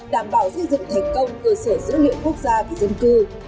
đảm bảo xây dựng thành công cơ sở dữ liệu quốc gia về dân cư